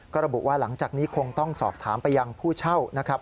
ก็ระบุว่าหลังจากนี้คงต้องสอบถามไปยังผู้เช่านะครับ